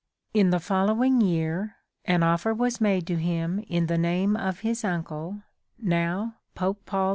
" In the following year ... an oifer was made to him in the name of his uncle now Pope Paul IV.